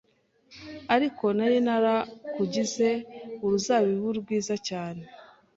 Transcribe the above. Ariko nari narakugize uruzabibu rwiza cyane,